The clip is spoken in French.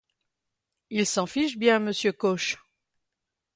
Il s'en fiche bien, monsieur Cauche!